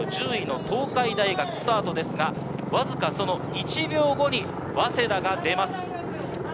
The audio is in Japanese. シード圏内にいるのは往路１０位の東海大学スタートですが、わずかその１秒後に早稲田が出ます。